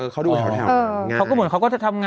เขาดูแถวง่าย